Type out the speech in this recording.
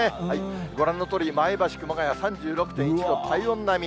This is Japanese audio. ご覧のとおり、前橋、熊谷３６．１度、体温並み。